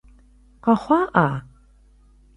Къэхъуа-Ӏа?